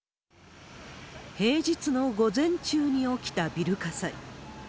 平日の午前中に起きたビル火災。